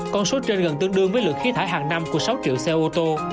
con số trên gần tương đương với lượng khí thải hàng năm của sáu triệu xe ô tô